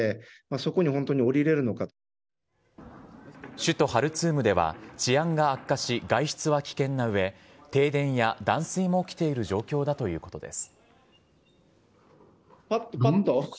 首都・ハルツームでは治安が悪化し、外出は危険な上停電や断水も起きている状況だということです。